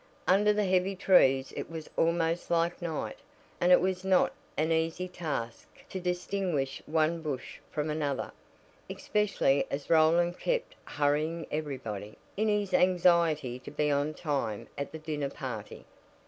Under the heavy trees it was almost like night, and it was not an easy task to distinguish one bush from another, especially as Roland kept hurrying everybody, in his anxiety to be on time at the dinner party.